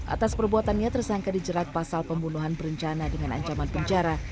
atas perbuatannya tersangka dijerat pasal pembunuhan berencana dengan ancaman penjara